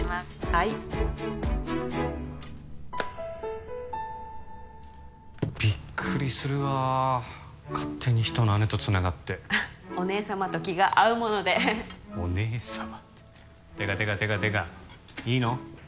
はいビックリするわ勝手に人の姉とつながってお姉様と気が合うもので「お姉様」っててかてかてかてかいいの？